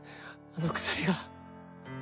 あの鎖が。